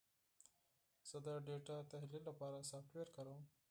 زه د ډیټا تحلیل لپاره سافټویر کاروم.